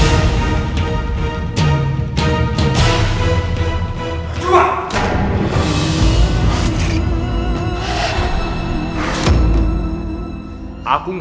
aku akan menang